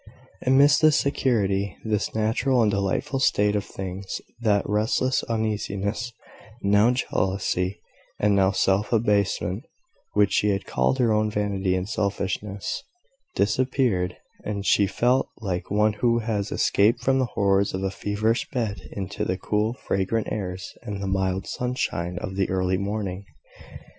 Amidst this security, this natural and delightful state of things, that restless uneasiness now jealousy, and now self abasement which she had called her own vanity and selfishness, disappeared, and she felt like one who has escaped from the horrors of a feverish bed into the cool fragrant airs and mild sunshine of the early morning.